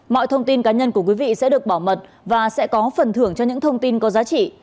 mọi thông tin cá nhân của quý vị sẽ được bảo mật và sẽ có phần thưởng cho những thông tin có giá trị